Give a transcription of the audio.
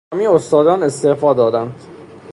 تمامی استادان استعفا دادند.